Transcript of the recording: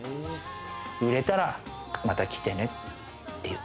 売れたらまた来てねって。